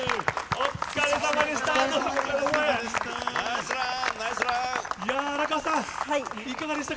お疲れさまでした。